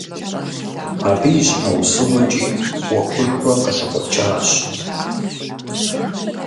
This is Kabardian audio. Абы и щхьэусыгъуэкӀи Ӏуэхушхуэ къылъыкъуэкӀащ.